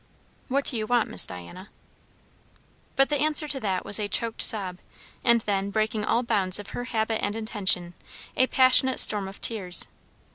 "What do you want, Miss Diana?" But the answer to that was a choked sob, and then, breaking all bounds of her habit and intention, a passionate storm of tears.